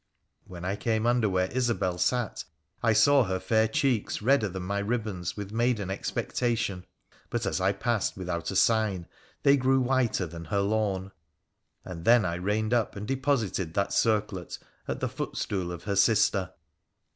When I came under where Isobel sat, I saw her fair cheeks redder than my ribbons with maiden expectation ; but, as I passed without a sign, they grew whiter than her lawn. And then I reined up and deposited that circlet at the footstool of her sister.